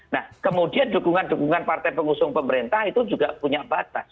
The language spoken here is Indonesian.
nah kemudian dukungan dukungan partai pengusung pemerintah itu juga punya batas